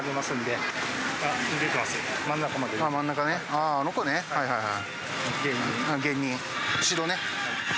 あああの子ねはいはいはい。